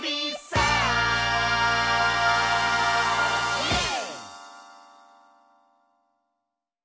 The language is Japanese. イエーイ！